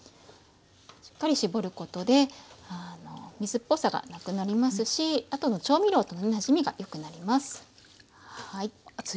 しっかり絞ることで水っぽさがなくなりますしあとの調味料とのなじみがよくなります。